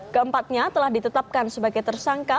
keempatnya telah ditetapkan sebagai tersangka